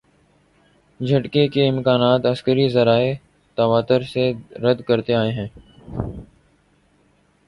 جھٹکے کے امکانات عسکری ذرائع تواتر سے رد کرتے آئے ہیں۔